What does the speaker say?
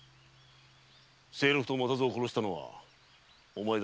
清六と又蔵を殺したのはお前だな？